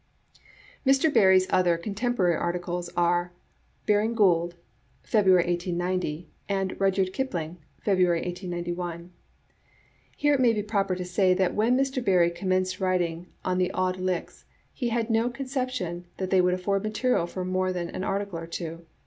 Mr. Barrie's other Contemporary articles are " Baring Gould" (February, 1890) and" Rudy ard Kipling" (Feb urary, 1891). Here it may be proper to say that when Mr. Barrie commenced writing on the Auld Lichts he had no con ception that they would afiEord material for more than an article or two.